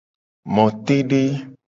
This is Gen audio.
Motede.